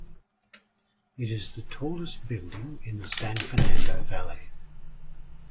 It is the tallest building in the San Fernando Valley.